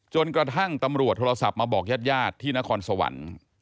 จนกระทั่งตำรวจโทรศัพท์มาบอกญาติญาติที่นครสวรรค์